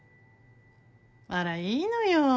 あらいいのよ。